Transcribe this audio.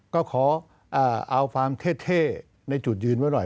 ก็ขอเอาความเท่ในจุดยืนไว้หน่อย